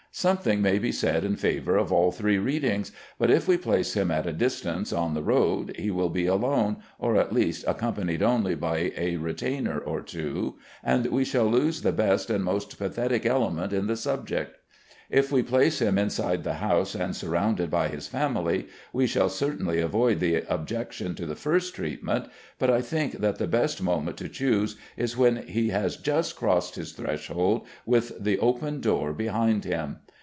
Something may be said in favor of all three readings, but if we place him at a distance on the road he will be alone, or at best accompanied only by a retainer or two, and we shall lose the best and most pathetic element in the subject. If we place him inside the house and surrounded by his family, we shall certainly avoid the objection to the first treatment, but I think that the best moment to choose is when he has just crossed his threshold, with the open door behind him.